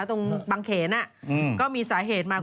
ตรงบางเขนก็มีสาเหตุมา